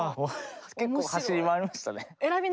結構走り回りましたね。